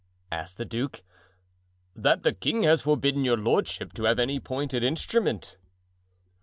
asked the duke. "That the king has forbidden your lordship to have any pointed instrument."